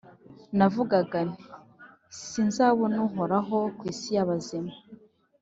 Naravugaga nti «Sinzabona Uhoraho ku isi y’abazima,